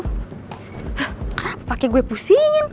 hah kenapa pake gue pusingin